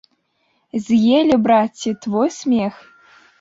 З'елі, браце, твой смех!